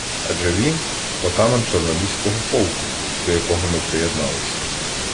Адже він отаман Чорноліського полку, до якого ми приєдналися.